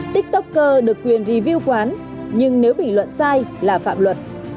tiktoker được quyền review quán nhưng nếu bình luận sai là phạm luật